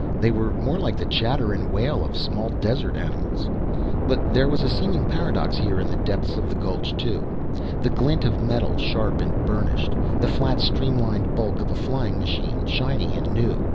They were more like the chatter and wail of small desert animals. But there was a seeming paradox here in the depths of that gulch, too. The glint of metal, sharp and burnished. The flat, streamlined bulk of a flying machine, shiny and new.